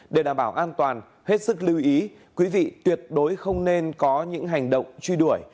để đảm bảo an toàn hết sức lưu ý quý vị tuyệt đối không nên có những hành động truy đuổi